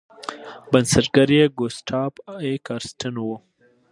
بنسټګر یې ګوسټاف ای کارستن و.